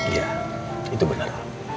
iya itu benar